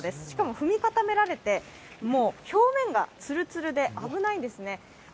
しかも踏み固められて表面がつるつるで危ないんですね。